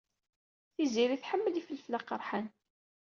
Tiziri tḥemmel ifelfel aqerḥan.